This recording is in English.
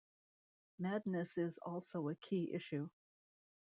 Madness is also a key issue.